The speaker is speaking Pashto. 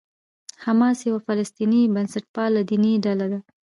حماس یوه فلسطیني بنسټپاله دیني ډله ده.